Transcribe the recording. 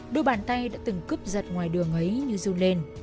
đôi bàn tay đã từng cúp giật ngoài đường ấy như run lên